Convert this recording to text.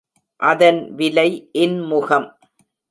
அதன் விலை இன்முகம்.